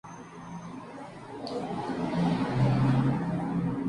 Todo sumado a las presentaciones de consagrados artistas de nivel nacional e internacional.